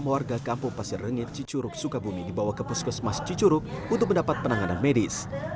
enam warga kampung pasir rengit cicuruk sukabumi dibawa ke puskesmas cicuruk untuk mendapat penanganan medis